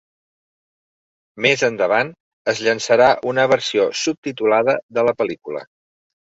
Més endavant es llançarà una versió subtitulada de la pel·lícula.